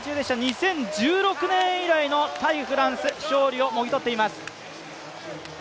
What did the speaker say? ２０１６年以来の対フランス勝利をもぎ取っています！